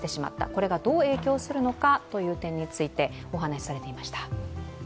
これがどう影響するのかという点について、お話されていました。